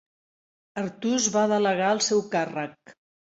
Artús va delegar el seu càrrec.